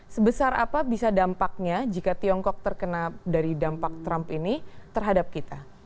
sebesar apa bisa dampaknya jika tiongkok terkena dari dampak trump ini terhadap kita